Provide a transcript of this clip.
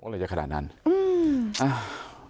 อ๋อเลยจะขนาดนั้นอืม